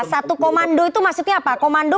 satu komando itu maksudnya apa komando